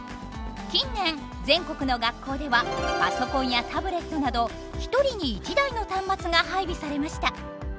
近年全国の学校ではパソコンやタブレットなど１人に１台の端末が配備されました。